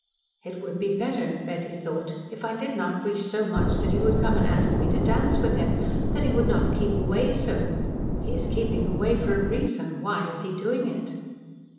"It would be better," Betty thought, "if I did not wish so much that he would come and ask me to dance with him that he would not keep away so. He is keeping away for a reason. Why is he doing it?"